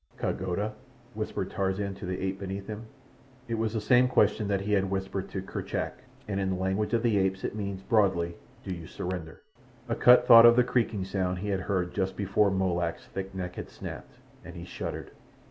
"Ka Goda?" whispered Tarzan to the ape beneath him. It was the same question that he had whispered to Kerchak, and in the language of the apes it means, broadly, "Do you surrender?" Akut thought of the creaking sound he had heard just before Molak's thick neck had snapped, and he shuddered.